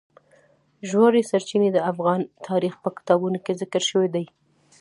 ژورې سرچینې د افغان تاریخ په کتابونو کې ذکر شوی دي.